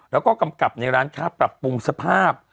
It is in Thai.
แล้วก็กำกับในร้านค้าปรับปรุงสภาพ